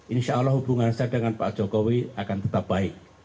insyaallah hubungan saya dengan pak jokowi akan tetap baik